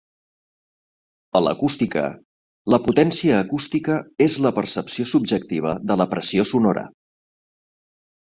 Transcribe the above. A l'acústica, la potència acústica és la percepció subjectiva de la pressió sonora.